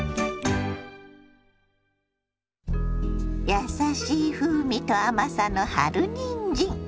やさしい風味と甘さの春にんじん。